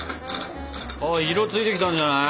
色ついてきたんじゃない？